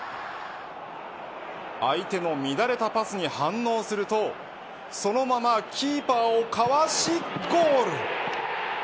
相手の乱れたパスに反応するとそのままキーパーをかわしゴール。